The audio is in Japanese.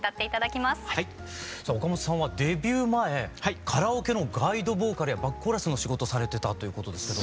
さあ岡本さんはデビュー前カラオケのガイドボーカルやバックコーラスの仕事されてたということですけど。